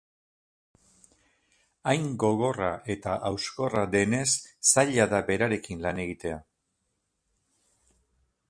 Hain gogorra eta hauskorra denez, zaila da berarekin lan egitea.